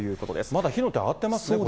まだ火の手上がってますね、これね。